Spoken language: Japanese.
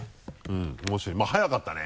面白い速かったね！